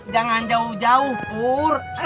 jangan jauh jauh pur